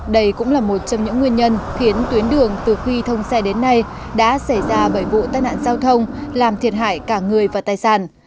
đây cũng là một trong những nguyên nhân khiến tuyến đường từ khi thông xe đến nay đã xảy ra bảy vụ tai nạn giao thông làm thiệt hại cả người và tài sản